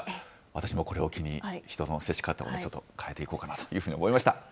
私もこれを機に、人の接し方、ちょっと変えていこうかなというふうに思いました。